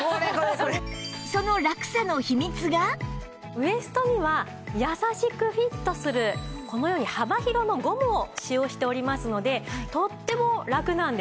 ウエストには優しくフィットするこのように幅広のゴムを使用しておりますのでとってもラクなんです。